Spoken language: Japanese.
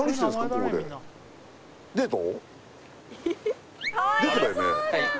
ここでデート？